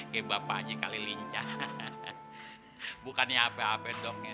hehehe kek bapak aji kali lincah bukannya apa apa dok